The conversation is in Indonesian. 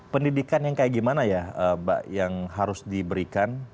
pendidikan yang kayak gimana ya mbak yang harus diberikan